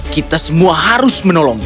kita semua harus mencabut clara